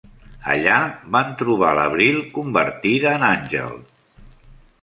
Allà van trobar l'Abril, convertida en àngel.